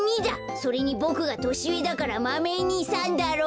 それにボクがとしうえだから「マメ２さん」だろ！